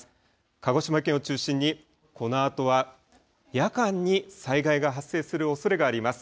鹿児島県を中心にこのあとは夜間に災害が発生するおそれがあります。